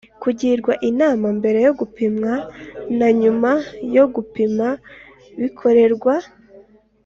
kugirwa inama mbere yo gupimwa na nyuma yo gupimwa bikorerwa